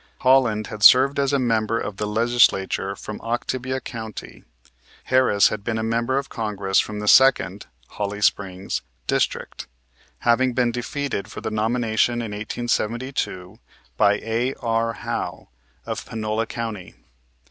Holland had served as a member of the Legislature from Oktibbeha County. Harris had been a member of Congress from the Second (Holly Springs) District, having been defeated for the nomination in 1872 by A.R. Howe, of Panola County.